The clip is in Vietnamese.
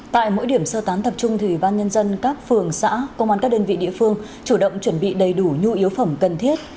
tại mỗi điểm sơ tán tập trung thì ubnd các phường xã công an các đơn vị địa phương chủ động chuẩn bị đầy đủ nhu yếu phẩm cần thiết